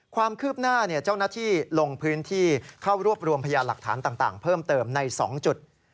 ความคืบหน้าเจ้าหน้าที่ลงพื้นที่เข้ารวบรวมพยานหลักฐานต่างเพิ่มเติมใน๒จุด